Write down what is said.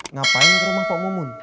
ngapain ke rumah pak mumun